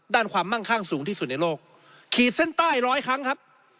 ความมั่งข้างสูงที่สุดในโลกขีดเส้นใต้ร้อยครั้งครับ